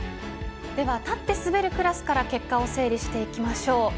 立って滑るクラスから結果を整理していきましょう。